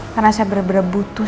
karena saya benar benar butuh